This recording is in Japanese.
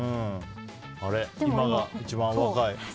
あれ、今が一番若い。